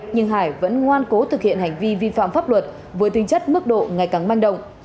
nhưng hải vẫn ngoan cố thực hiện hành vi vi phạm pháp luật với tinh chất mức độ ngày càng manh động